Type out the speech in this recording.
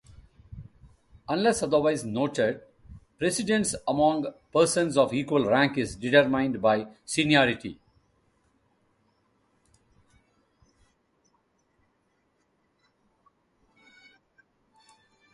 Unless otherwise noted, precedence among persons of equal rank is determined by seniority.